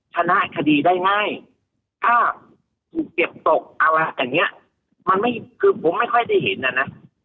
ชนะคดีได้ง่ายถ้าถูกเก็บตกอะไรแบบเนี่ยมันไม่คือผมไม่ค่อยได้เห็นอะนะ